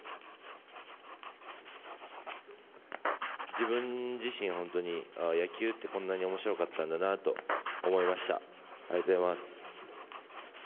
自分自身本当に野球ってこんなに面白かったんだなと思いました、ありがとうございます。